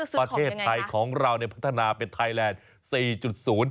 ประเทศไทยของเราเนี่ยพัฒนาเป็นไทยแลนด์๔๐